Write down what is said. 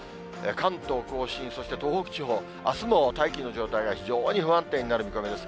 関東甲信、そして東北地方、あすも大気の状態が非常に不安定になる見込みです。